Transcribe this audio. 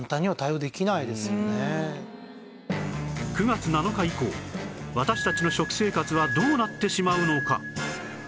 ９月７日以降私たちの食生活はどうなってしまうのか？